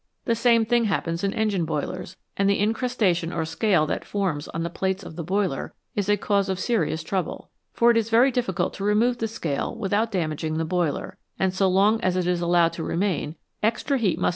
The same thing happens in engine boilers, and the incrustation or scale that forms on the plates of the boiler is a cause of serious trouble. For it is very diffi cult to remove the scale with out damaging the boiler, and so long as it is allowed to remain extra heat must be FIG. 2.